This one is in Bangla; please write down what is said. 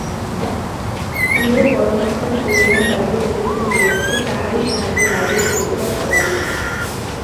যে পরমাত্মার প্রেরণায় বাইবেল লিখিত হইয়াছে, তাহারই সাহায্যে বাইবেল সর্বদা পড়া উচিত।